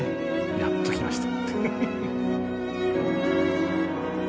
やっときました。